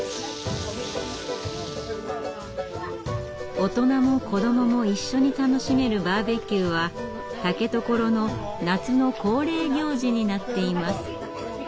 大人も子どもも一緒に楽しめるバーベキューは竹所の夏の恒例行事になっています。